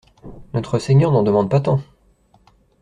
Notre Seigneur n'en demande pas tant!